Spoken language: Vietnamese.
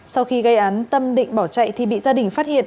sau khi gây án tâm định bỏ chạy thì bị gia đình phát hiện